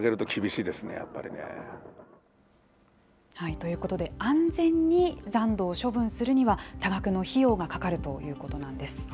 ということで、安全に残土を処分するには、多額の費用がかかるということなんです。